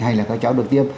hay là các cháu được tiêm